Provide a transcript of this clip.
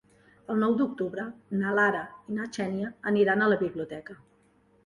El nou d'octubre na Lara i na Xènia aniran a la biblioteca.